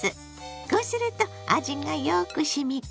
こうすると味がよくしみ込むの。